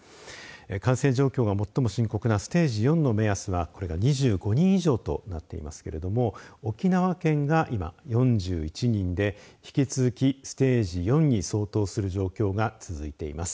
感染状況が最も深刻なステージ４の目安がこれが２５人以上となっていますけど、沖縄県が今４１人で、引き続きステージ４に相当する状況が続いています。